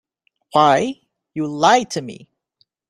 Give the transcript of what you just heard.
Why, you lied to me.